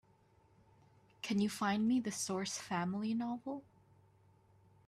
Can you find me The Source Family novel?